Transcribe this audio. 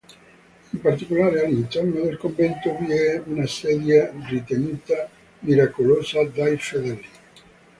In particolare, all'interno del convento vi è una sedia ritenuta miracolosa dai fedeli.